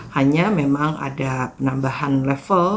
hanya memang ada penambahan level